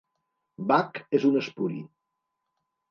Bach és un espuri.